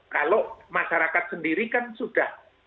kalau masyarakat sendiri kan sudah